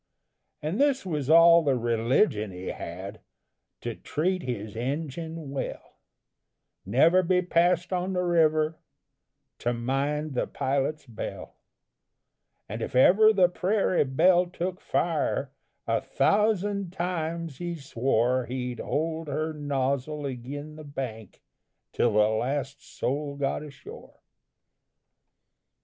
And this was all the religion he had To treat his engine well; Never be passed on the river; To mind the pilot's bell; And if ever the Prairie Belle took fire, A thousand times he swore He'd hold her nozzle agin the bank Till the last soul got ashore.